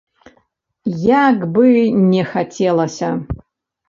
Як бы не хацелася.